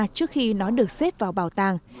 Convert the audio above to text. trước khi nó được xếp vào bảo tàng